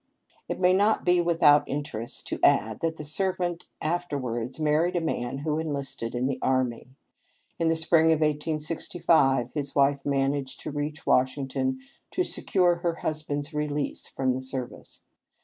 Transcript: It may not be without interest to add that the servant afterwards married a man who enlisted in the army. In the spring of 1865 his wife managed to reach Washington to secure her husband's release from the service.